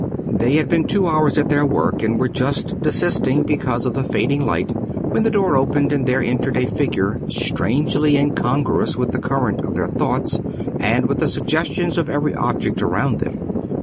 They had been two hours at their work, and were just desisting because of the fading light, when the door opened and there entered a figure strangely incongruous with the current of their thoughts and with the suggestions of every object around them.